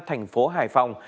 thành phố hải phòng